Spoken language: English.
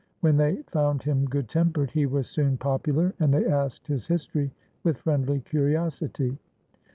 When they found him good tempered, he was soon popular, and they asked his history with friendly curiosity.